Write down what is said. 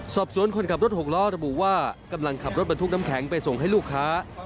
สอบสวนคนขับรถหกล้อระบุว่ากำลังขับรถบรรทุกน้ำแข็งไปส่งให้ลูกค้า